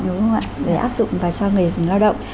đúng không ạ để áp dụng và cho người lao động